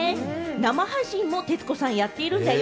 生配信も徹子さんやってるんだよ。